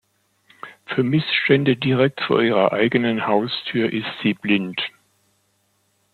Für Missstände direkt vor ihrer eigenen Haustür ist sie blind.